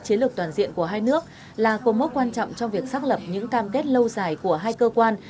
chiến lược toàn diện của hai nước là cố mốc quan trọng trong việc xác lập những cam kết lâu dài của hai cơ quan